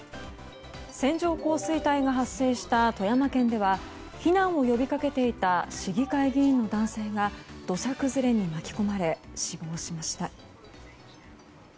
線状降水帯が発生した富山県では避難を呼びかけていた市議会議員の男性が土砂崩れに巻き込まれ死亡しました。